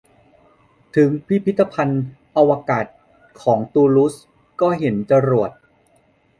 ถึงพิพิธภัณฑ์อวกาศของตูลูสก็เห็นจรวด